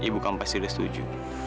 jadi ibu kamu pasti udah setuju